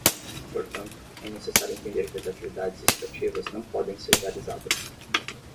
Portanto, é necessário entender que as atividades extrativas não podem ser realizadas.